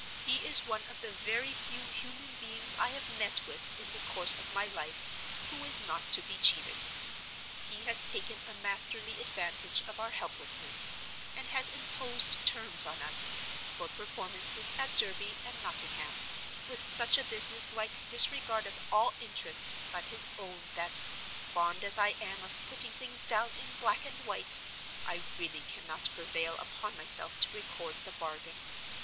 He is one of the very few human beings I have met with in the course of my life who is not to be cheated. He has taken a masterly advantage of our helplessness; and has imposed terms on us, for performances at Derby and Nottingham, with such a business like disregard of all interests but his own that—fond as I am of putting things down in black and white—I really cannot prevail upon myself to record the bargain.